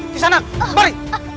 di sana kembali